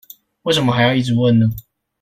為什麼還要一直問呢？